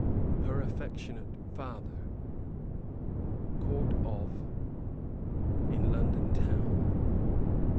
her affectionate father ... Court of ... in London town."